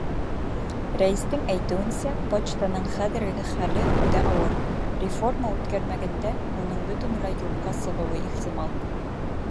Рәйестең әйтеүенсә, почтаның хәҙерге хәле үтә ауыр, реформа үткәрмәгәндә уның бөтөнләй юҡҡа сығыуы ихтимал.